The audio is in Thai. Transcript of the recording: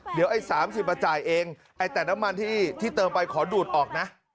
เดี๋ยวไอ้๓๐มาจ่ายเองไอ้แต่น้ำมันที่เติมไปขอดูดออกนะ